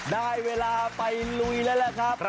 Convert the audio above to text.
ได้เวลาไปลุยแล้วล่ะครับ